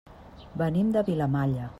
Venim de Vilamalla.